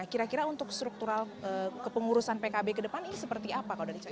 kira kira untuk struktural kepengurusan pkb ke depan ini seperti apa